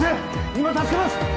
今助けます！